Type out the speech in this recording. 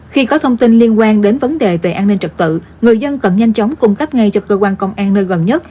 khi có thông tin liên quan đến vấn đề về an ninh trật tự người dân cần nhanh chóng cung cấp ngay cho cơ quan công an nơi gần nhất